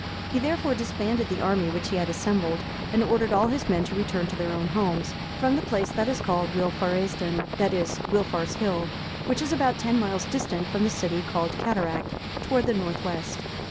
He therefore disbanded the army which he had assembled, and ordered all his men to return to their own homes, from the place that is called Wilfaraesdun,(361) that is, Wilfar's Hill, which is about ten miles distant from the village called Cataract, towards the north west.